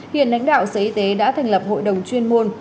hiện lãnh đạo sở y tế đã thành lập hội đồng chuyên môn